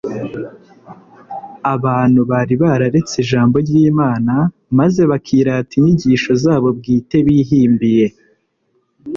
Abantu bari bararetse Ijambo ry'Imana maze bakirata inyigisho zabo bwite bihimbiye.